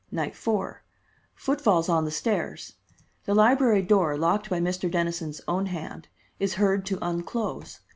Night 4: Footfalls on the stairs. The library door, locked by Mr. Dennison's own hand, is heard to unclose.